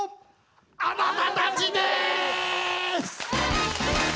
あなたたちです！